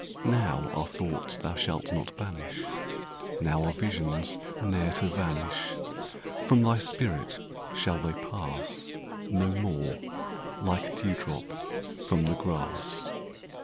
Now are thoughts thou shalt not banish Now are visions ne'er to vanish From thy spirit shall they pass No more like dew drops from the grass.